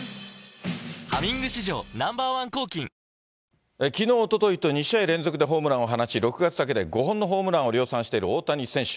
「ハミング」史上Ｎｏ．１抗菌おとといと、２試合連続ホームランを放ち、６月だけでも５本のホームランを量産している大谷選手。